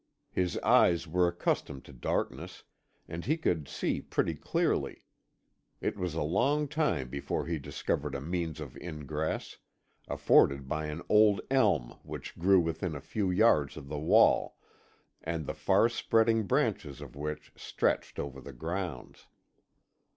His eyes were accustomed to darkness, and he could see pretty clearly; it was a long time before he discovered a means of ingress, afforded by an old elm which grew within a few yards of the wall, and the far spreading branches of which stretched over the grounds.